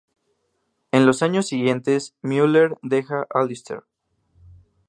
En los años siguientes, Mueller deja Allister.